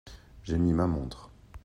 J’ai mis ma montre.